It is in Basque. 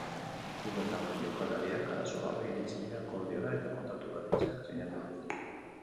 Kluba eta jokalariak arazo gabe iritsi dira akordiora eta kontratu-berritzeak sinatu dituzte.